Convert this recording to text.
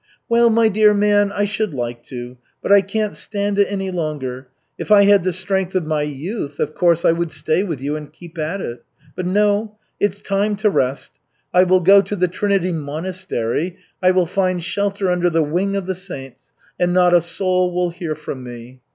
"Well, my dear man, I should like to, but I can't stand it any longer. If I had the strength of my youth, of course I would stay with you and keep at it. But no, it's time to rest. I will go to the Trinity Monastery, I will find shelter under the wing of the saints, and not a soul will hear from me.